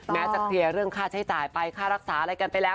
แม้จะเคลียร์เรื่องค่าใช้จ่ายไปค่ารักษาอะไรกันไปแล้ว